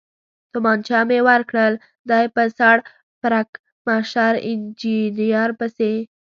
تومانچه مې ورکړل، دی په سر پړکمشر انجنیر پسې.